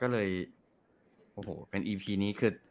ก็เลยเป็นอีพีนี้คือ